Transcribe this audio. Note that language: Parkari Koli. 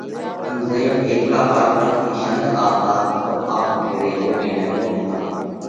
اُو زئيون هيڪلا پارڪر ٿِي شنڌ آوَتا تو آپ ڀيۯئِي روٽئِي نہ ٻونڌتا۔